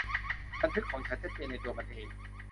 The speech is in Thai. บันทึกของฉันชัดเจนในตัวมันเอง